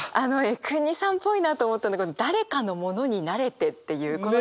江國さんっぽいなと思ったのが「誰かのものになれて」っていうこの言い方。